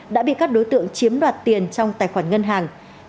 đã bị các đối tượng chiếm đoạt tiền trong tài khoản ngân hàng